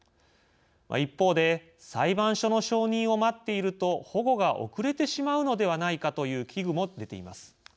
一方で、裁判所の承認を待っていると保護が遅れてしまうのではないかという危惧もでています。